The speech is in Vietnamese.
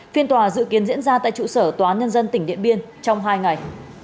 phiên tòa dự kiến diễn ra tại trụ sở tòa án nhân dân tỉnh điện biên trong hai ngày